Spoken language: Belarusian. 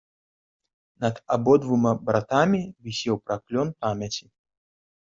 Над абодвума братамі вісеў праклён памяці.